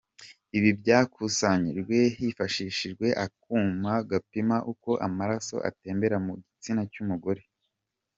Ibi byakusanyijwe hifashishijwe akuma gapima uko amaraso atembera mu gitsina cy’umugore.